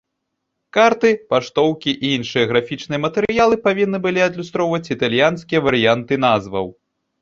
Карты, паштоўкі і іншыя графічныя матэрыялы павінны былі адлюстроўваць італьянскія варыянты назваў.